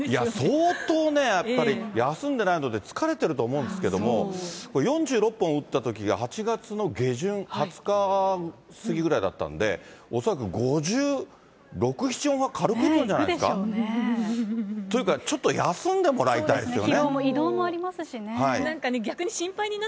相当ね、やっぱり、休んでないので疲れてると思うんですけど、４６本を打ったときが８月の下旬、２０日過ぎぐらいだったんで、恐らく５６、いくでしょうね。というかちょっと、休んでもらいたいですよね。